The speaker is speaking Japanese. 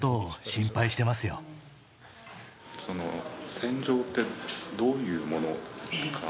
戦場って、どういうものかな？